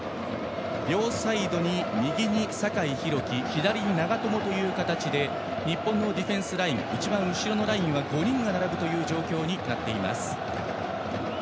両サイドに右、酒井宏樹左、長友で日本のディフェンスライン一番後ろのラインは５人が並ぶ状況となっています。